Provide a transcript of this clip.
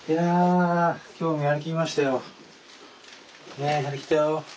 ねえやりきったよ。